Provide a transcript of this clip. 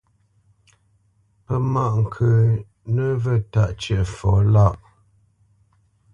Pə́ mǎʼ ŋkə̌ nəvə̂ tâʼ cə̂ʼfɔ lâʼ.